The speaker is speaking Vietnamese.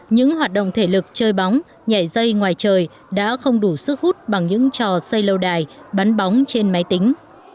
những hoạt động thể lực chơi bóng nhảy dây ngoài trời đã không đủ sức hút bằng những trò xây lâu đài bắn bóng trên máy tính